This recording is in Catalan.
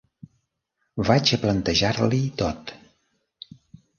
Vaig a plantejar-li tot.